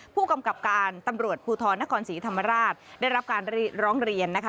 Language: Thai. ผู้กำกับการตำรวจภูทรนครศรีธรรมราชได้รับการร้องเรียนนะคะ